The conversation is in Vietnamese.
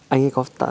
anh ấy có